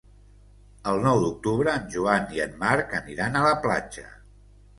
El nou d'octubre en Joan i en Marc aniran a la platja.